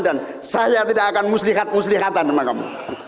dan saya tidak akan muslihat muslihatan sama kamu